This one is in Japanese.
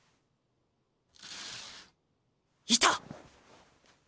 いた！